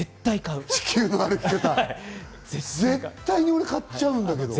『地球の歩き方』、絶対に俺買っちゃうんだけど。